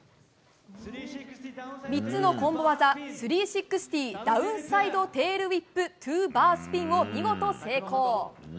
３つのコンボ技３６０ダウンサイド・テールウィップ・トゥ・バースピンを見事成功。